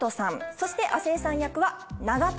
そして亜生さん役は。